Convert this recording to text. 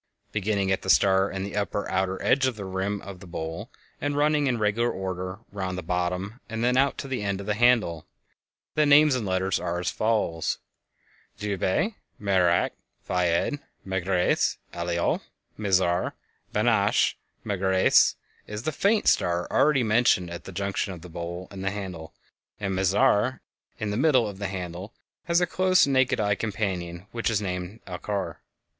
Beginning at the star in the upper outer edge of the rim of the bowl and running in regular order round the bottom and then out to the end of the handle, the names and letters are as follows: Dubhe (α), Merak (β), Phaed (γ), Megrez (δ), Alioth (ε), Mizar (ζ), and Benetnasch (η). Megrez is the faint star already mentioned at the junction of the bowl and handle, and Mizar, in the middle of the handle, has a close, naked eye companion which is named Alcor.